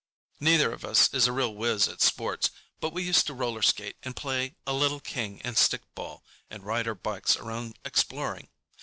Neither of us is a real whiz at sports, but we used to roller skate and play a little king and stickball and ride our bikes around exploring.